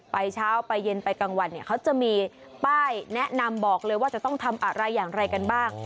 เช้าไปเย็นไปกลางวันเนี่ยเขาจะมีป้ายแนะนำบอกเลยว่าจะต้องทำอะไรอย่างไรกันบ้าง